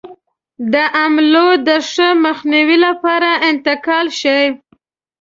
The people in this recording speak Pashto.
د حملو د ښه مخنیوي لپاره انتقال شي.